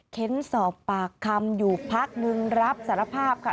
เค้นสอบปากคำอยู่พักนึงรับสารภาพค่ะ